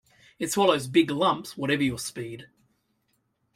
It swallows big lumps, whatever your speed.